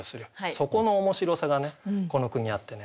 そこの面白さがねこの句にあってね